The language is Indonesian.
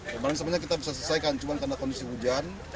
kemarin sebenarnya kita bisa selesaikan cuma karena kondisi hujan